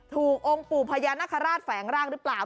องค์ปู่พญานาคาราชแฝงร่างหรือเปล่า